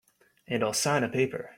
And I'll sign a paper.